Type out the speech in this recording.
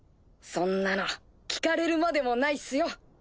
そんなの聞かれるまでもないっすよ。